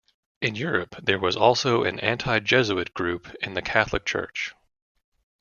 In Europe there was also an anti-Jesuit group in the Catholic Church.